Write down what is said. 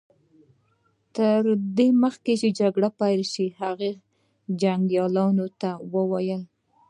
تر دې مخکې چې جګړه پيل شي هغه جنګياليو ته وويل.